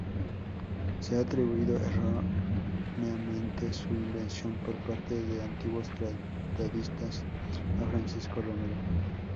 Se ha atribuido erróneamente su invención, por parte de antiguos tratadistas, a Francisco Romero.